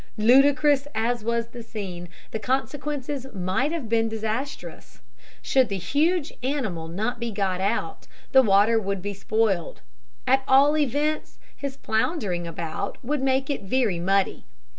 Ludicrous as was the scene, the consequences might have been disastrous. Should the huge animal not be got out, the water would be spoiled; at all events, his floundering about would make it very muddy.